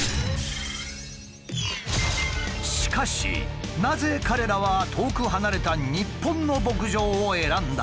しかしなぜ彼らは遠く離れた日本の牧場を選んだのか？